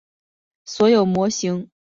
所有模型都是图灵等价的。